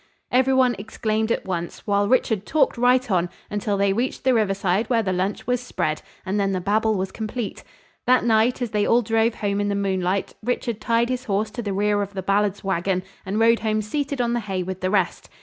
Every one exclaimed at once, while Richard talked right on, until they reached the riverside where the lunch was spread; and then the babble was complete. That night, as they all drove home in the moonlight, Richard tied his horse to the rear of the Ballards' wagon and rode home seated on the hay with the rest.